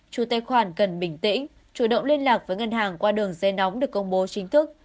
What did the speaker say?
chủ tài khoản cần bình tĩnh chủ động liên lạc với ngân hàng qua đường dây nóng được công bố chính thức